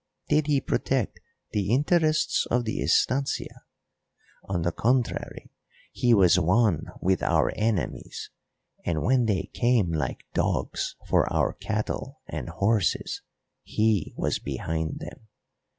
Did he protect the interests of the estancia? On the contrary, he was one with our enemies, and when they came like dogs for our cattle and horses he was behind them.